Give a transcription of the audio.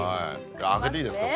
開けていいですか？